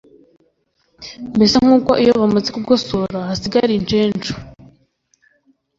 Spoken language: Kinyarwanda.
mbese nk'uko iyo bamaze kugosora, hasigara incenshu